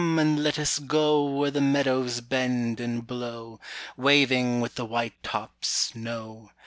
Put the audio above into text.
and let us go Where the meadows bend and blow, Waving with the white tops' snow.